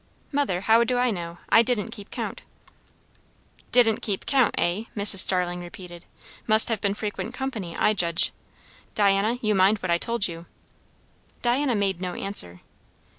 "Mother, how do I know? I didn't keep count." "Didn't keep count, eh?" Mrs. Starling repeated. "Must have been frequent company, I judge. Diana, you mind what I told you?" Diana made no answer.